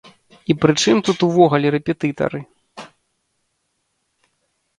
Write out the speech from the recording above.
І пры чым тут увогуле рэпетытары?